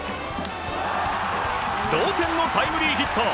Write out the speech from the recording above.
同点のタイムリーヒット！